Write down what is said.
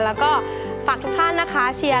แล้วก็ฝากทุกท่านนะคะเชียร์